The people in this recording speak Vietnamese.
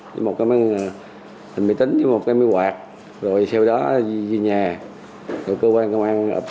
với một cái máy tính với một cái máy quạt rồi sau đó đi nhà rồi cơ quan công an tới bắt